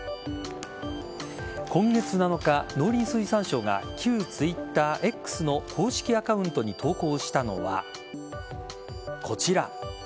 今月７日、農林水産省が旧Ｔｗｉｔｔｅｒ・Ｘの公式アカウントに投稿したのはこちら。＃